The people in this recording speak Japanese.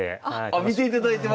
あ見ていただいてますか？